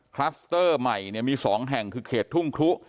คลัสเตอร์ใหม่มี๒แห่งคือเขตทุ่งครุ